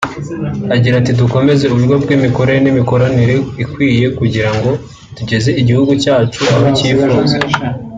Agira ati “Dukomeze uburyo bw’imikorere n’imikoranire ikwiye kugira ngo tugeze igihugu cyacu aho twifuza